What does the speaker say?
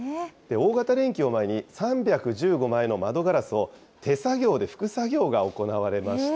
大型連休を前に、３１５枚の窓ガラスを手作業で拭く作業が行われました。